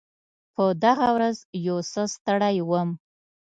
په دغه ورځ یو څه ستړی وم.